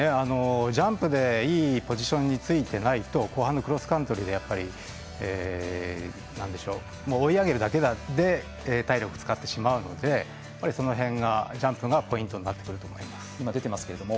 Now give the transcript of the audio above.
ジャンプでいいポジションについてないとクロスカントリーではやっぱり、追い上げるだけで体力、使ってしまうのでその辺がジャンプがポイントになってくると思います。